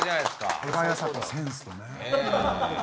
手早さとセンスとね。